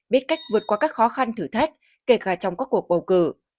biết cách vượt qua các khó khăn thử thách kể cả trong các cuộc bầu cử